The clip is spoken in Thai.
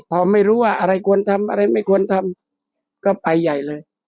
พอไม่รู้ว่าอะไรควรทำอะไรไม่ควรทำก็ไปใหญ่เลย